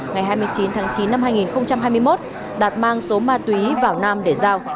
ngày hai mươi chín tháng chín năm hai nghìn hai mươi một đạt mang số ma túy vào nam để giao